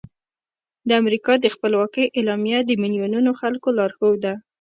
د امریکا د خپلواکۍ اعلامیه د میلیونونو خلکو لارښود ده.